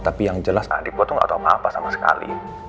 tapi yang jelas adik gue tuh gak tau apa apa sama sekali